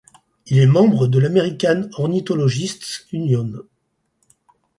Il est membre de l'American Ornithologists' Union.